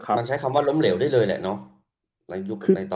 มันใช้คำว่าล้มเหลวได้เลยแหละเนอะในยุคในตอนนั้น